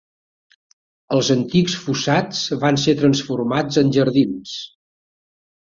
Els antics fossats van ser transformats en jardins.